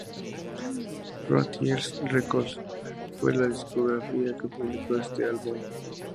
Frontiers Records fue la discográfica que publicó este álbum.